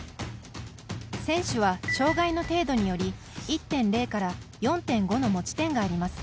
選手は、障がいの程度により１．０４．５の持ち点があります。